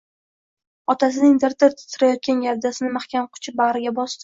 Otasining dir-dir titrayotgan gavdasini mahkam quchib, bag‘riga bosdi.